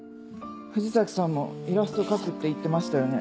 藤崎さんもイラスト描くって言ってましたよね？